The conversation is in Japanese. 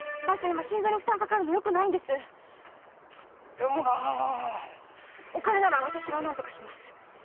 今心臓に負担かかるのよくないんですっつってもなあお金なら私が何とかします